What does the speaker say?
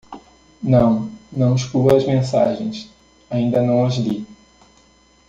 Não? não exclua as mensagens? Ainda não as li.